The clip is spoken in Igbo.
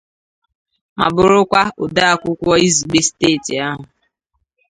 ma bụrụkwa odeakwụkwọ izugbe steeti ahụ